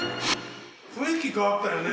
雰囲気変わったよね。